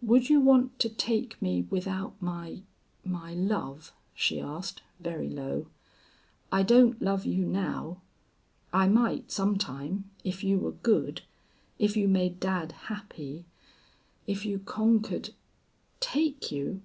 "Would you want to take me without my my love?" she asked, very low. "I don't love you now. I might some time, if you were good if you made dad happy if you conquered " "Take you!